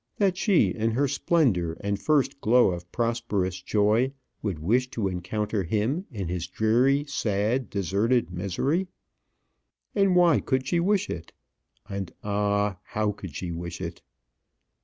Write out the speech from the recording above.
That she, in her splendour and first glow of prosperous joy, would wish to encounter him in his dreary, sad, deserted misery? And why could she wish it? and, ah! how could she wish it?